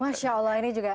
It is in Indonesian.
masya allah ini juga tapi